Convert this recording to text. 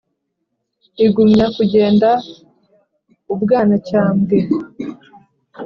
Igumya kugenda u Bwanacyambwe